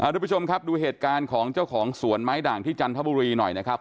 ทุกผู้ชมครับดูเหตุการณ์ของเจ้าของสวนไม้ด่างที่จันทบุรีหน่อยนะครับ